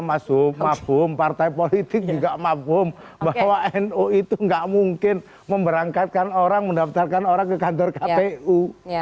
mafum mafum partai politik juga mafum bahwa nu itu nggak mungkin memberangkatkan orang mendaftarkan orang ke kantor kpu